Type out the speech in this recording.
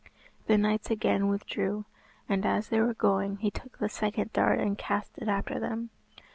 The knights again withdrew, and as they were going he took the second dart and cast it after them.